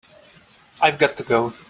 I've got to go.